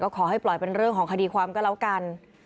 ขอให้ปล่อยเป็นเรื่องของคดีความก็แล้วกัน